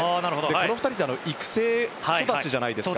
この２人は育成育ちじゃないですか。